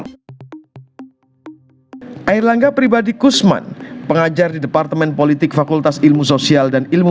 hai air langga pribadi kusman pengajar di departemen politik fakultas ilmu sosial dan ilmu